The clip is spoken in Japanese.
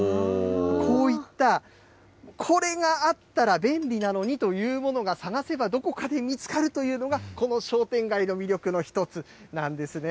こういった、これがあったら便利なのにというものが探せばどこかで見つかるというのがこの商店街の魅力の一つなんですね。